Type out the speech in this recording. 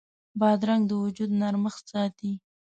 بادرنګ د وجود نرمښت ساتي.